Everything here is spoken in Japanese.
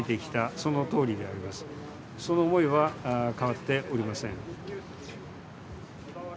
その思いは変わっておりません。